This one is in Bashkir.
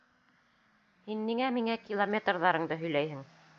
Һин ниңә миңә километрҙарыңды һөйләйһең?